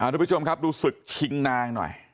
ทุกผู้ชมครับดูศึกชิงนางหน่อย